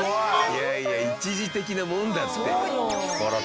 いやいや一時的なもんだって。